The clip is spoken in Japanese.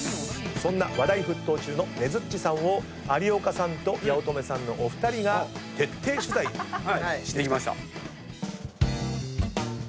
そんな話題沸騰中のねづっちさんを有岡さんと八乙女さんのお二人が徹底取材してきたと。